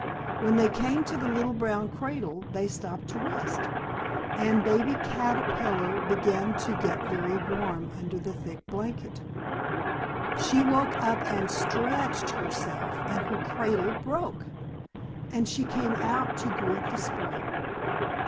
When they came to the little brown cradle, they stopped to rest, and Baby Caterpillar began to get very warm under the thick blanket. She woke up and stretched herself, and her cradle broke, and she came out to greet the Spring.